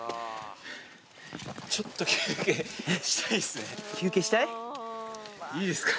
ちょっと休憩したいですね。